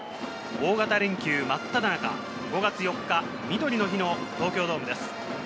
大型連休まっただ中、５月４日みどりの日の東京ドームです。